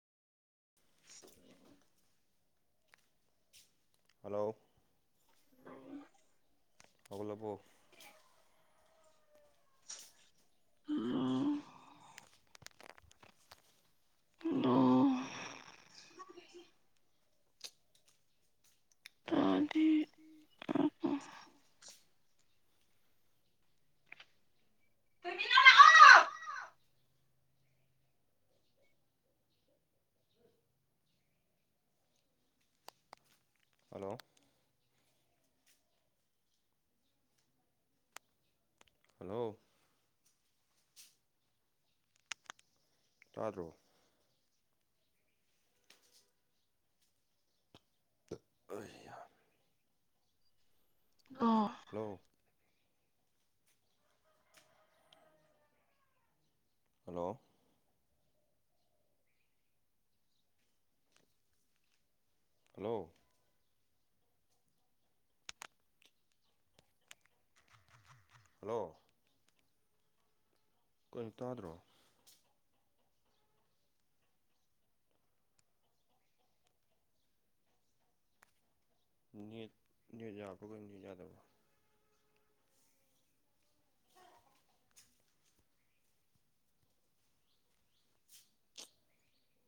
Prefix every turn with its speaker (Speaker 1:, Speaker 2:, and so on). Speaker 1: ꯁ [unintelligible]
Speaker 2: ꯍꯜꯂꯣ ꯍꯧꯒꯠꯂꯥꯕꯣ
Speaker 1: ꯑ [unintelligible] [inaudible]
Speaker 2: ꯇꯥꯏ ꯇꯥꯏ ꯍꯜꯂꯣ ꯍꯜꯂꯣ ꯇꯥꯗ꯭ꯔꯣ ꯑꯔꯤꯌꯥ [inaudible] ꯍꯜꯂꯣ ꯍꯜꯂꯣ ꯀꯩꯅꯣ ꯇꯥꯗ꯭ꯔꯣ ꯃꯦꯠ ꯌꯥꯕꯔꯣ ꯀꯩꯅꯣ ꯅꯦꯠ ꯌꯥꯗꯕꯔꯣ